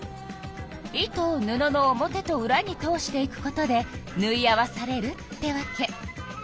糸を布の表とうらに通していくことでぬい合わされるってわけ。